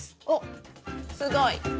おっすごい。